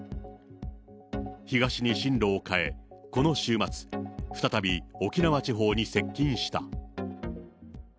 東に進路を変え、この週末、再び沖縄地方に接近した。